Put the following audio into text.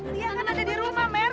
dia kan ada di rumah mer